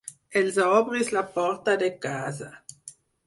Els obris la porta de casa.